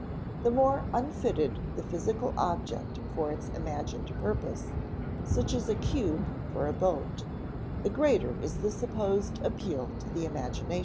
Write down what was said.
The more unfitted the physical object for its imagined purpose, such as a cube for a boat, the greater is the supposed appeal to the imagination.